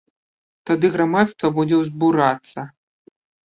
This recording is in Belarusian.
Тады грамадства будзе ўзбурацца.